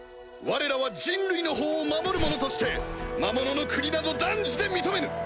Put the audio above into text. われらは人類の法を守る者として魔物の国など断じて認めぬ！